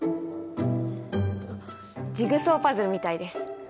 ジグソーパズルみたいです。